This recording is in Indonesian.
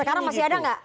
sekarang masih ada nggak